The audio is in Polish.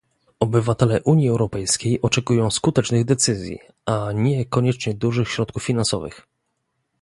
Obywatele Unii Europejskiej oczekują skutecznych decyzji, a nie koniecznie dużych środków finansowych